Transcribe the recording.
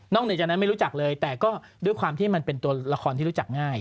เหนือจากนั้นไม่รู้จักเลยแต่ก็ด้วยความที่มันเป็นตัวละครที่รู้จักง่าย